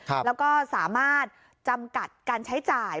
แล้วก็สามารถจำกัดการใช้จ่าย